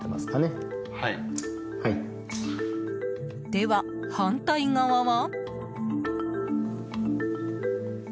では、反対側は。